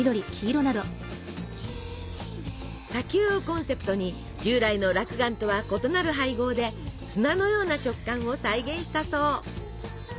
「砂丘」をコンセプトに従来のらくがんとは異なる配合で砂のような食感を再現したそう。